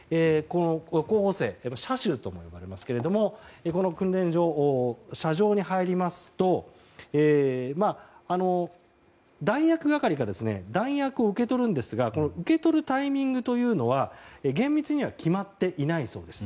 候補生射手ともいわれますけれどもこの訓練場、射場に入りますと弾薬係から弾薬を受け取るんですが受け取るタイミングというのは厳密には決まっていないそうです。